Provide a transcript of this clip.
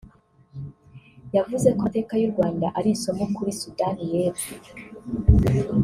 yavuze ko amateka y’u Rwanda ari isomo kuri Sudani y’Epfo